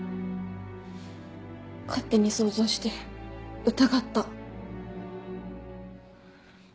勝手に想像して疑った。